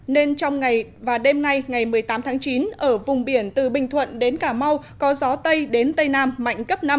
nên trong ngày và đêm nay ngày một mươi tám tháng chín ở vùng biển từ bình thuận đến cà mau có gió tây đến tây nam mạnh cấp năm